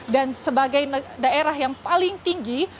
dan sebagai daerah yang paling tinggi